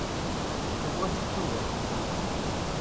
Tarwa-s tettubarek.